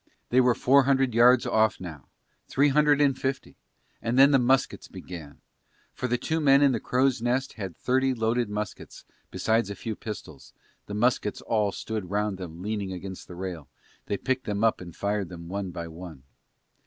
They were four hundred yards off now, three hundred and fifty; and then the muskets began, for the two men in the crow's nest had thirty loaded muskets besides a few pistols, the muskets all stood round them leaning against the rail; they picked them up and fired them one by one.